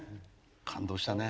感動したね。